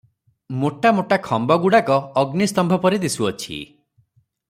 ମୋଟା ମୋଟା ଖମ୍ବଗୁଡ଼ାକ ଅଗ୍ନିସ୍ତମ୍ବ ପରି ଦିଶୁଅଛି ।